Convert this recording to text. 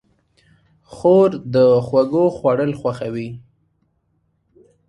خور د خوږو خوړل خوښوي.